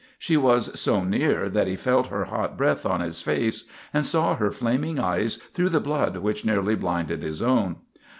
She was so near that he felt her hot breath on his face, and saw her flaming eyes through the blood which nearly blinded his own.